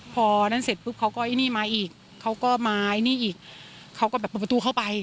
พอนั่นเสร็จปุ๊บเขาก็ไอ้นี่มาอีกเขาก็มาไอ้นี่อีกเขาก็แบบเปิดประตูเข้าไป